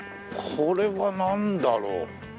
これはなんだろう？